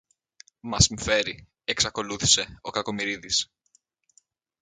Μας συμφέρει, εξακολούθησε ο Κακομοιρίδης.